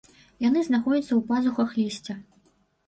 Яны знаходзяцца ў пазухах лісця.